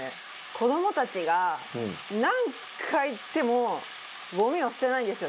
子どもたちが何回言ってもゴミを捨てないんですよ